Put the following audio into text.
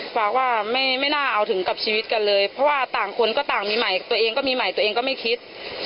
ฝากว่าไม่น่าเอาถึงกับชีวิตกันเลยเพราะว่าต่างคนก็ต่างมีใหม่ตัวเองก็มีใหม่ตัวเองก็ไม่คิด